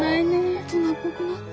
大人っぽくなって。